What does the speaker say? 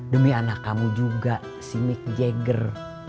demi anak kamu juga si mick jagger